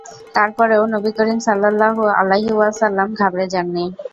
তারপরেও নবী করীম সাল্লাল্লাহু আলাইহি ওয়াসাল্লাম ঘাবড়ে যাননি।